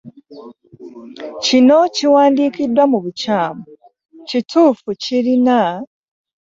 Kino kiwandiikiddwa mu bukyamu, ekituufu kirina